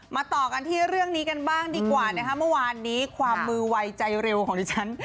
ต่อกันที่เรื่องนี้กันบ้างดีกว่านะคะเมื่อวานนี้ความมือไวใจเร็วของดิฉัน